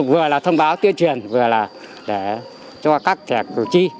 vừa là thông báo tuyên truyền vừa là cho các thẻ cử tri